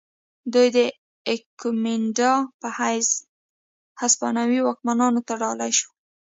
دوی د ایکومینډا په حیث هسپانوي واکمنانو ته ډالۍ شول.